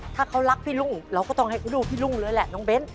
ถ้าเขารักพี่รุ้งเราก็ให้ได้ให้พี่ดูพี่รุ้งเลยละบรรเวญ